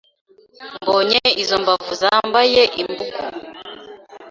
Mbonye izo mbavu zambaye imbugu